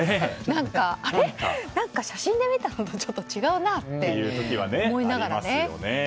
何か写真で見たのとちょっと違うなと思いながらね。